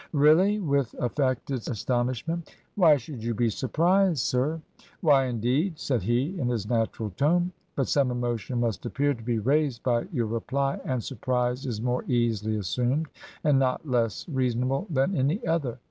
'Really!' with affected astonishment. ' Why should you be surprised, sir?' ' Why, indeed T said he in his natural tone. ' But some emotion must appear to be raised by your reply, and surprise is more easily assumed, and not less rea sonable, than any other.